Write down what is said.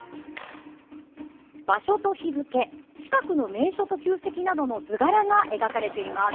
場所と日付近くの名所と旧跡などの図柄が描かれています。